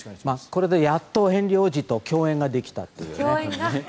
これでやっとヘンリー王子と共演ができた。